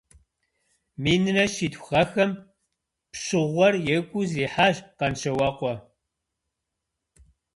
Минрэ щитху гъэхэм пщыгъуэр екӏуу зрихьащ Къанщауэкъуэ.